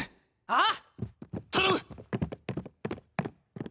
あっ。